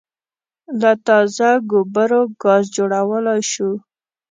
له تازه ګوبرو ګاز جوړولای شو